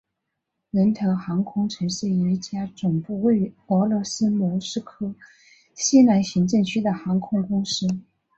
任特航空曾是一家总部位于俄罗斯莫斯科西南行政区的航空公司。